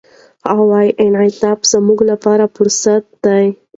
هغه وايي، انعطاف زموږ لپاره فرصت دی.